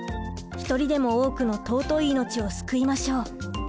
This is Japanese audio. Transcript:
１人でも多くの尊い命を救いましょう。